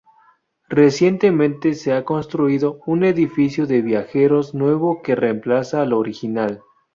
Recientemente se ha construido un edificio de viajeros nuevo que reemplaza al original.